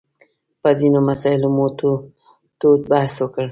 په ځینو مسایلو مو تود بحث وکړ.